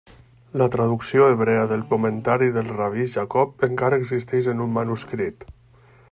La traducció hebrea del comentari del Rabí Jacob encara existeix en un manuscrit.